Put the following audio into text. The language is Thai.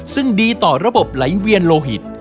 ซึ่งดีต่อระบบไหลเวียนโลหิต